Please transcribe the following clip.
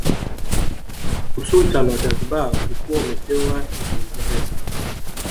Usultani wa Zanzibar ulikuwa umepewa na Uingereza